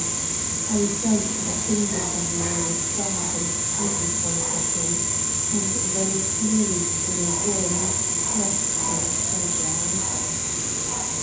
I felt the fingers on mine start and tighten for a second, and then close in a warm, trustful pressure.